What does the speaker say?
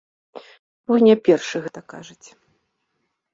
Вы не першы гэта кажаце.